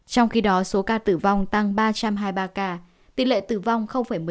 trong khi đó số ca tử vong tăng ba trăm hai mươi ba ca tỷ lệ tử vong một mươi bốn